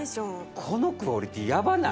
このクオリティーヤバない？